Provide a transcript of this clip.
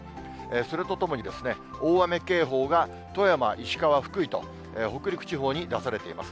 それとともに、大雨警報が富山、石川、福井と、北陸地方に出されています。